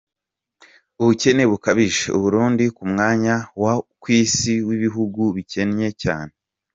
Ubukene bukabije, u Burundi ku mwanya wa ku isi w’ibihugu bikennye cyane.